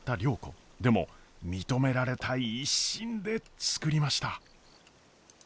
でも認められたい一心で作りました。